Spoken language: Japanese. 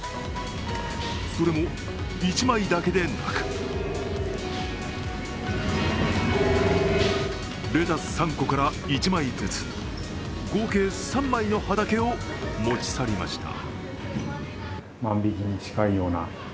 それも１枚だけでなくレタス３個から１枚ずつ、合計３枚の葉だけを持ち去りました。